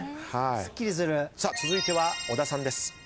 続いては小田さんです。